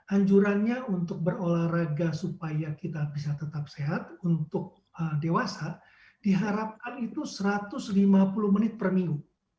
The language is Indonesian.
anjurannya untuk berolahraga supaya kita bisa tetap sehat untuk dewasa diharapkan itu satu ratus lima puluh menit per minggu